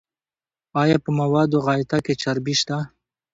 ایا په موادو غایطه کې چربی شته؟